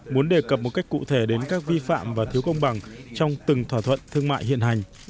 muốn đề cập một cách cụ thể đến các vi phạm và thiếu công bằng trong từng thỏa thuận thương mại hiện hành